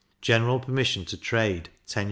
General permission to trade 10s.